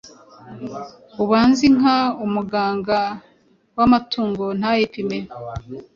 Ubaze inka umuganga w’amatungo ntayipime ,